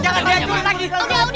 jangan dihancurin lagi